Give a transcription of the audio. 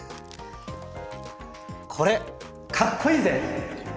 「これ、かっこイイぜ！」。